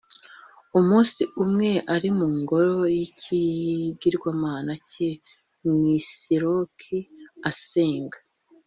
Umunsi umwe ari mu ngoro y’ikigirwamana cye Nisiroki asenga,